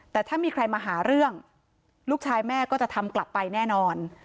แต่ถ้ามีใครมาหาเรื่องลูกชายแม่ก็จะทำกลับไปแน่นอน